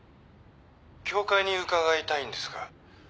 教会に伺いたいんですが。